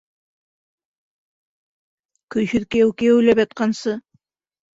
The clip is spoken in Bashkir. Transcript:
Көйһөҙ кейәү кейәүләп ятҡансы.